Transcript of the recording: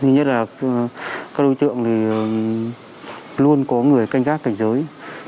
nhất là các đối tượng luôn có người canh gác cảnh giới